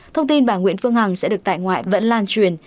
thông tin bà nguyễn phương hằng sẽ được tại ngoại vẫn lan truyền